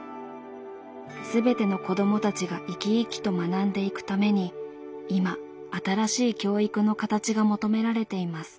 全ての子どもたちが生き生きと学んでいくために今新しい教育の形が求められています。